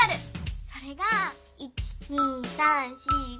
それが１・２・３・４・５。